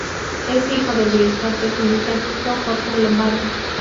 Es hijo del director de cine Francisco J. Lombardi.